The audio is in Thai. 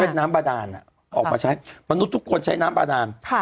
เป็นน้ำบาดานออกมาใช้มนุษย์ทุกคนใช้น้ำบาดาน